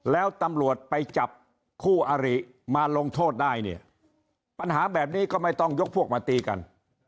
แล้วตำรวจไปจับคู่อาริมาลงโทษได้เนี่ยปัญหาแบบนี้ก็ไม่ต้องยกพวกมาตีกัน